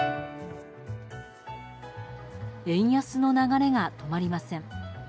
円安の流れが止まりません。